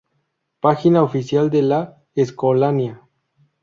Página oficial de la Escolanía